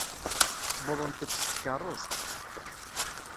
Wwḍent-d s tkeṛṛust.